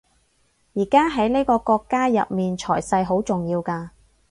而家喺呢個國家入面財勢好重要㗎